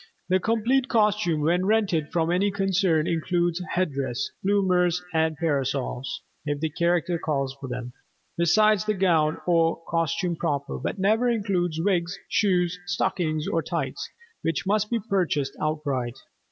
The complete costume when rented from any concern includes headdress, bloomers and parasols (if the character calls for them), besides the gown or costume proper, but never includes wigs, shoes, stockings or tights, which must be purchased outright.